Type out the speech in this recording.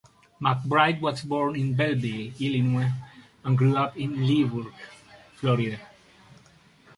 McBride was born in Belleville, Illinois and grew up in Leesburg, Florida.